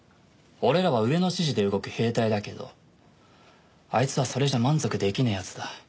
俺らは上の指示で動く兵隊だけどあいつはそれじゃ満足できねえ奴だ。